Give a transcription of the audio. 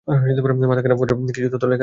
মাথাখারাপ করা কিছু তথ্য লেখা আছে, তাই না?